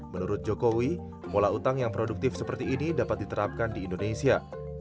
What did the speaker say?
menurut jokowi pola utang yang produktif seperti ini dapat diterapkan di indonesia